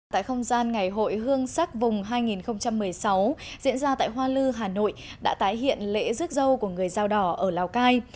tại không gian ngày hội hương sắc vùng hai nghìn một mươi sáu diễn ra tại hoa lư hà nội đã tái hiện lễ rước dâu của người dao đỏ ở lào cai